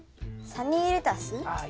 サニーレタス。